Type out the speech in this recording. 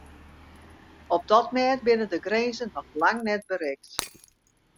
Op dat mêd binne de grinzen noch lang net berikt.